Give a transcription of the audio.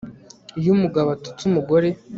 Iyo umugabo atutse umugore